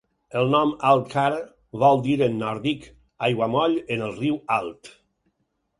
El nom Altcar vol dir en nòrdic "aiguamoll en el riu Alt".